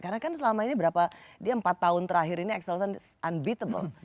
karena kan selama ini berapa dia empat tahun terakhir ini axelson unbeatable